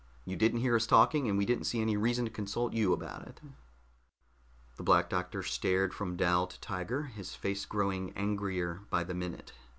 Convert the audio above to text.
You didn't hear us talking, and we didn't see any reason to consult you about it." The Black Doctor stared from Dal to Tiger, his face growing angrier by the minute.